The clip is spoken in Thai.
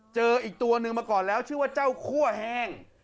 เจออีกตัวนึงมาก่อนแล้วชื่อว่าเจ้าคั่วแห้ง